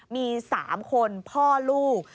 มี๓คนพ่อลูก